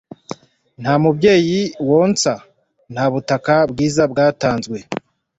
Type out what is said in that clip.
nta mubyeyi wonsa, nta butaka bwiza bwatanze